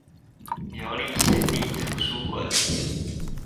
苗栗縣立圖書館